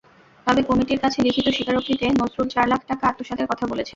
তবে কমিটির কাছে লিখিত স্বীকারোক্তিতে নজরুল চার লাখ টাকা আত্মসাতের কথা বলেছেন।